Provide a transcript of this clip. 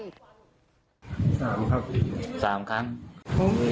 เขาไม่ยอมทำครับแล้วก็คือ